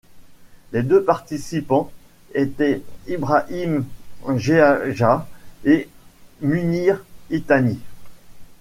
Les deux participants étaient Ibrahim Geagea et Munir Itani.